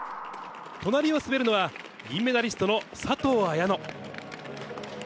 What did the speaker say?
隣を滑るのは、銀メダリストの佐藤綾乃。